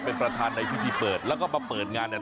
เป็นประธานในพิธีเปิดแล้วก็มาเปิดงานเนี่ย